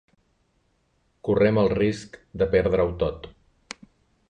Correm el risc de perdre-ho tot.